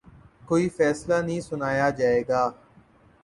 کوئی فیصلہ نہیں سنایا جائے گا